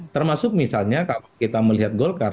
termasuk misalnya kalau kita melihat golkar